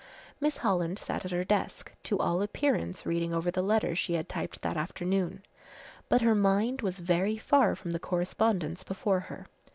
Miss Holland sat at her desk to all appearance reading over the letters she had typed that afternoon but her mind was very far from the correspondence before her.